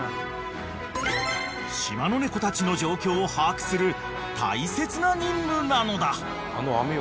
［島の猫たちの状況を把握する大切な任務なのだ］